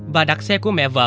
và đặt xe của mẹ vợ